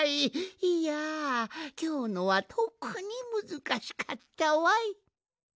いやきょうのはとくにむずかしかったわい。